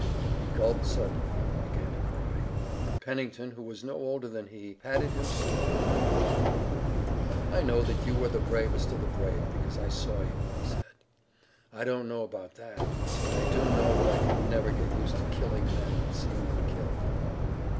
He gulped suddenly and began to cry. Pennington, who was no older than he, patted him soothingly on the shoulder. "I know that you were the bravest of the brave, because I saw you," he said. "I don't know about that, but I do know that I can never get used to killing men and seeing them killed."